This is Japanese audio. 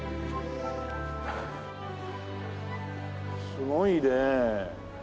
すごいね。